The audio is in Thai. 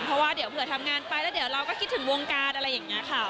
เพราะว่าเดี๋ยวเผื่อทำงานไปแล้วเดี๋ยวเราก็คิดถึงวงการอะไรอย่างนี้ค่ะ